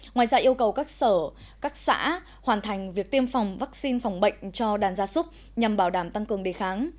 ngoài ra yêu cầu các sở các xã hoàn thành việc tiêm phòng vaccine phòng bệnh cho đàn gia súc nhằm bảo đảm tăng cường đề kháng